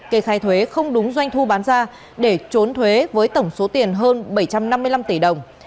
kê khai thuế không đúng doanh thu bán ra để trốn thuế với tổng số tiền hơn bảy trăm năm mươi năm tỷ đồng